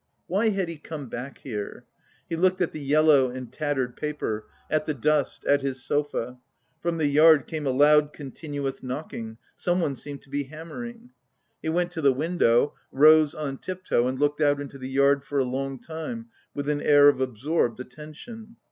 Why had he come back here? He looked at the yellow and tattered paper, at the dust, at his sofa.... From the yard came a loud continuous knocking; someone seemed to be hammering... He went to the window, rose on tiptoe and looked out into the yard for a long time with an air of absorbed attention.